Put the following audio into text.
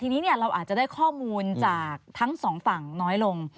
แต่มันมีด้วยเราอาจจะได้ข้อมูลทั้งสองฝั่งน้อยลง